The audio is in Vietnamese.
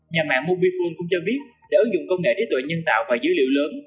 nhà mạng mobifone cũng cho biết đã ứng dụng công nghệ trí tuệ nhân tạo và dữ liệu lớn